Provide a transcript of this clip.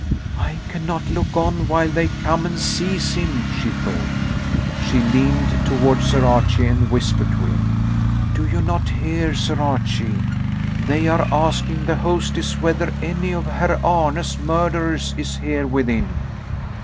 "I cannot look on while they come and seize him," she thought. She leaned toward Sir Archie and whispered to him: "Do you not hear, Sir Archie? They are asking the hostess whether any of Herr Arne's murderers is here within."